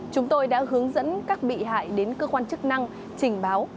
chúng tôi đã hướng dẫn các bị hại đến cơ quan chức năng trình báo